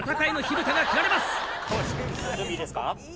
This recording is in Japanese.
いいですか？